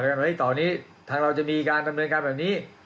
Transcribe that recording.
ว่าต่อนี้ทางเราจะมีการดำเนินการแบบนี้